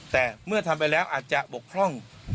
แต่เมื่อทำไปแล้วอาจจะบกพร่อง